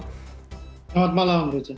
selamat malam bu